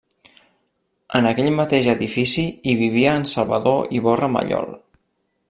En aquell mateix edifici hi vivia en Salvador Iborra Mallol.